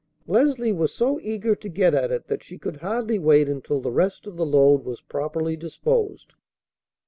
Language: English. Leslie was so eager to get at it that she could hardly wait until the rest of the load was properly disposed.